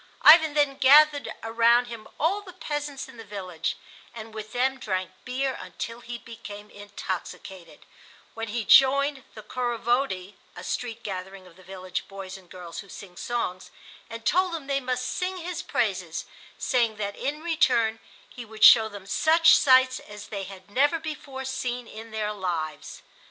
Ivan then gathered around him all the peasants in the village and with them drank beer until he became intoxicated, when he joined the Khorovody (a street gathering of the village boys and girls, who sing songs), and told them they must sing his praises, saying that in return he would show them such sights as they had never before seen in their lives.